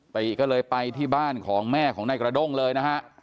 ติก็เลยไปที่บ้านของแม่ของนายกระด้งเลยนะฮะ